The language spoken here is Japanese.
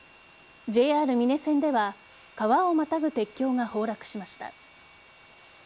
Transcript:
ＪＲ美祢線では川をまたぐ鉄橋が崩落しました。